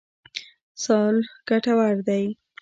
صلح ګټور دی.